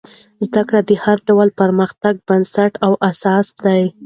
زده کړه د هر ډول پرمختګ بنسټ او اساس دی.